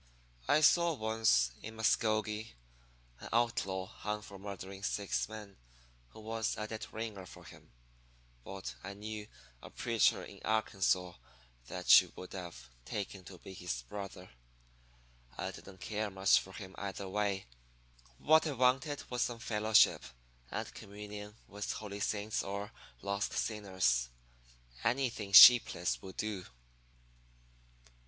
I saw once, in Muscogee, an outlaw hung for murdering six men, who was a dead ringer for him. But I knew a preacher in Arkansas that you would have taken to be his brother. I didn't care much for him either way; what I wanted was some fellowship and communion with holy saints or lost sinners anything sheepless would do.